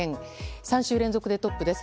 ３週連続でトップです。